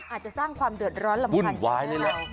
อาจจะสร้างความเดือดร้อนหลังคาเจ๋งด้วยเรา